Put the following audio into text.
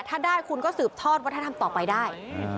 ถ้าได้คุณก็สืบทอดวัฒนธรรมต่อไปได้